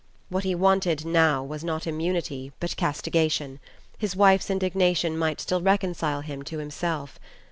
What he wanted now was not immunity but castigation: his wife's indignation might still reconcile him to himself.